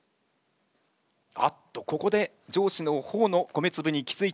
あっとここで上司の頬の米つぶに気付いた。